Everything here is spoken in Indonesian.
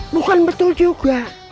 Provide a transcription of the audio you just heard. bukan betul juga